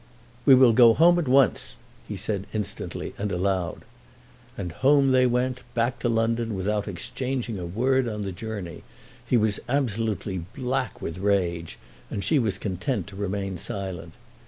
"We will go home at once," he said instantly, and aloud. And home they went, back to London, without exchanging a word on the journey. He was absolutely black with rage, and she was content to remain silent.